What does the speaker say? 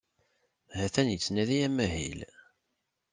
Ha-t-an yettnadi amahil.